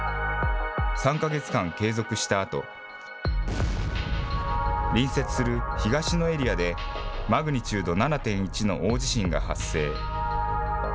３か月間、継続したあと、隣接する東のエリアでマグニチュード７．１の大地震が発生。